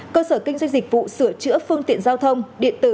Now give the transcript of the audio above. cơ sở kinh doanh dịch vụ sửa chữa phương tiện giao thông điện tử